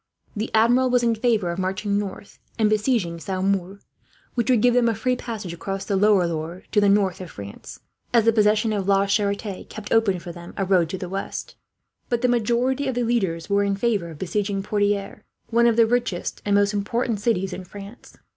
The Admiral was in favour of marching north and besieging Saumur, which would give them a free passage across the lower Loire to the north of France, as the possession of La Charite kept open for them a road to the west; but the majority of the leaders were in favour of besieging Poitiers, one of the richest and most important cities in France.